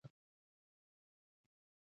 • کتاب د تلپاتې پوهې زېرمه ده.